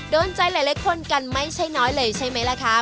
โดนใจหลายคนกันไม่ใช่น้อยเลยใช่ไหมล่ะคะ